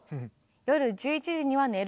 「夜１１時には寝ること」。